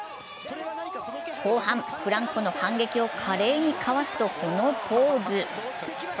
後半、フランコの反撃を華麗にかわすと、このポーズ。